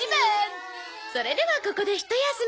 それではここで一休み。